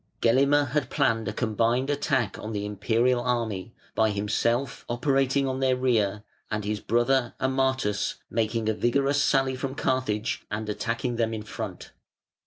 Gelimer had planned a combined attack on (13th Sept., 533) the Imperial army, by himself, operating on their rear, and his brother Ammatas making a vigorous sally from Carthage and attacking them in front.